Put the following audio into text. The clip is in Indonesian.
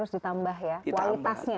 jadi harus ditambah ya